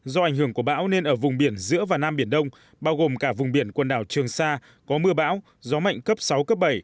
do ảnh hưởng của bão nên ở vùng biển giữa và nam biển đông bao gồm cả vùng biển quần đảo trường sa có mưa bão gió mạnh cấp sáu cấp bảy